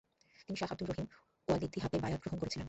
তিনি শাহ আব্দুর রহিম ওলায়েতীর হাতে বায়আত গ্রহণ করেছিলেন।